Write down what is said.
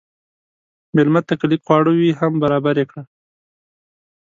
مېلمه ته که لږ خواړه وي، هم یې برابر کړه.